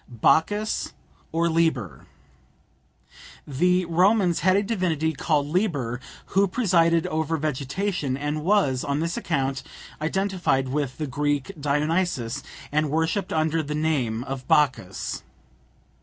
BACCHUS OR LIBER. The Romans had a divinity called Liber who presided over vegetation, and was, on this account, identified with the Greek Dionysus, and worshipped under the name of Bacchus.